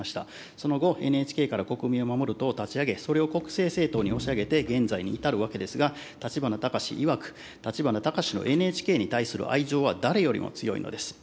その後、ＮＨＫから国民を守る党を立ち上げ、それを国政政党に押し上げて現在に至るわけですが、立花孝志いわく、立花孝志のＮＨＫに対する愛情は誰よりも強いのです。